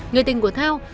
người tình của thao